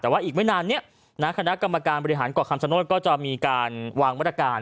แต่ว่าอีกไม่นานนี้คณะกรรมการบริหารเกาะคำชโนธก็จะมีการวางมาตรการ